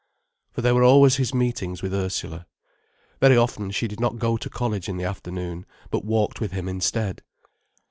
For there were always his meetings with Ursula. Very often, she did not go to college in the afternoon, but walked with him instead.